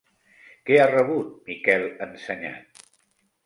Què ha rebut Miquel Ensenyat?